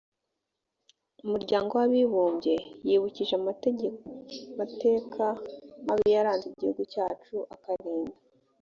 muryango w abibumbye yibukije amateka mabi yaranze igihugu cyacu akarinda